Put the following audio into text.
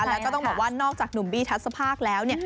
แล้วก็ต้องบอกว่านอกจากหนุ่มบี้ทัศภาคแล้วเนี่ย